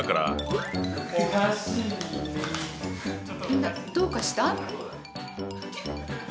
みんなどうかした？